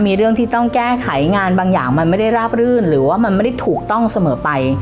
มีเรื่องที่ต้องแก้ไขงานบางอย่างมันไม่ได้ราบรื่นหรือว่ามันไม่ได้ถูกต้องเสมอไป